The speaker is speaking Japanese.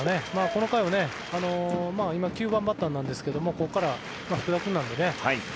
この回今、９番バッターなんですがここから福田君なのでね